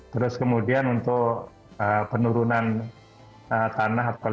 terus kemudian untuk penurunan tanah